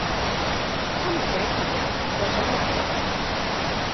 他們這羣人，又想喫人，